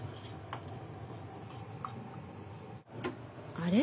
あれ？